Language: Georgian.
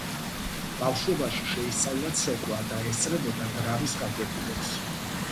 ბავშვობაში შეისწავლა ცეკვა და ესწრებოდა დრამის გაკვეთილებს.